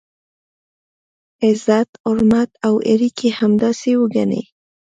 عزت، حرمت او اړیکي همداسې وګڼئ.